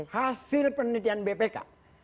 hasil penelitian bpk